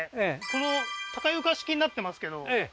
この高床式になってますけどええ